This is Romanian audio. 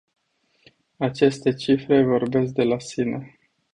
Aceste cifre vorbesc de la sine!